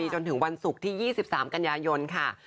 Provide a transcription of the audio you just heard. ก็ต้องขอบคุณท่านนะครับ